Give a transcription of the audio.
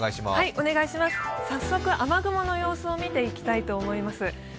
早速雨雲の様子を見ていきたいと思います。